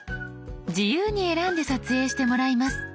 自由に選んで撮影してもらいます。